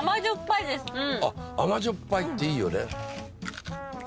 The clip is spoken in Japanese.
あっ甘じょっぱいっていいよね。